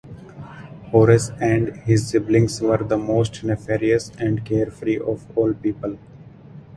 Horus and his siblings were the most nefarious and carefree of all people.